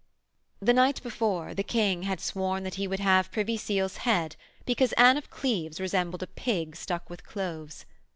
The night before, the King had sworn that he would have Privy Seal's head because Anne of Cleves resembled a pig stuck with cloves.